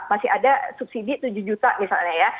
masih ada subsidi tujuh juta misalnya ya